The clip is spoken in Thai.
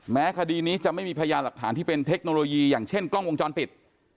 คดีนี้จะไม่มีพยานหลักฐานที่เป็นเทคโนโลยีอย่างเช่นกล้องวงจรปิด